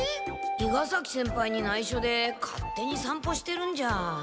伊賀崎先輩にないしょで勝手に散歩してるんじゃ？